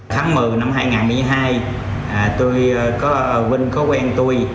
tháng một mươi năm hai nghìn một mươi hai tôi có vinh có quen tôi